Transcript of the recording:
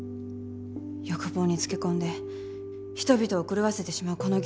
欲望に付け込んで人々を狂わせてしまうこのゲーム。